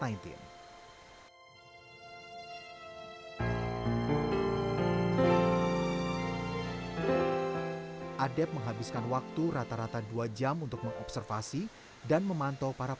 adep menghabiskan waktu rata rata dua jam untuk mengobservasi dan memantau para